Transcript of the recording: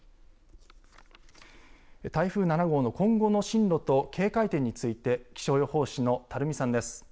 台風７号の今後の進路と警戒点について気象予報士の垂水さんです。